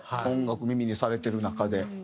音楽耳にされてる中で。